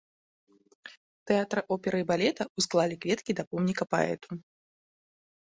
Тэатра оперы і балета, усклалі кветкі да помніка паэту.